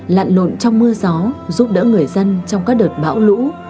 lặn lộn trong mưa gió giúp đỡ người dân trong các đợt bão lũ